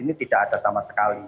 ini tidak ada sama sekali